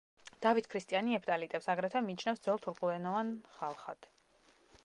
დავით ქრისტიანი ეფთალიტებს, აგრეთვე, მიიჩნევს ძველ თურქულენოვან ხალხად.